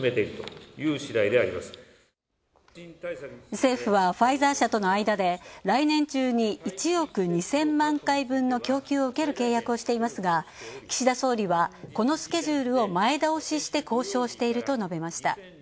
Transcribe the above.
政府はファイザー社との間で来年中に１億２０００万回分の供給を受ける契約をしていますが岸田総理はこのスケジュールを前倒しして交渉していると述べました。